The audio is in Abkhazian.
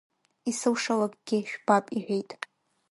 Исылшалакгьы жәбап, иҳәеит.